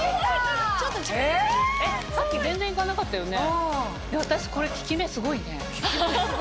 さっき全然いかなかったよね？